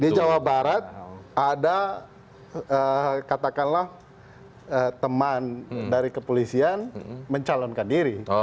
di jawa barat ada katakanlah teman dari kepolisian mencalonkan diri